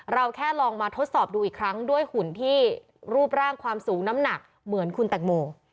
เราแค่ลองมาทดสอบดูอีกครั้งด้วยหุ่นที่รูปร่างความสูงน้ำหนักเหมือนคุณแตงโม